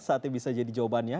sate bisa jadi jawabannya